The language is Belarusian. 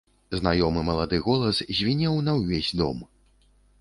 Знаёмы малады голас звінеў на ўвесь дом.